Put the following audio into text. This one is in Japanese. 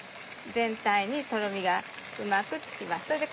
全体にとろみがうまくつきます。